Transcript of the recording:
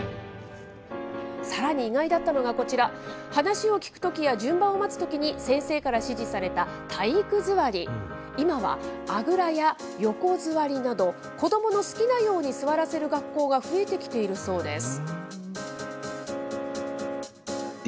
さらに、意外だったのがこちら、話を聞くときや順番を待つときに先生から指示された体育座り、今はあぐらや横座りなど、子どもの好きなように座らせる学校が増えてきているそうです。